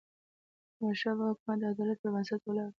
د احمدشاه بابا حکومت د عدالت پر بنسټ ولاړ و.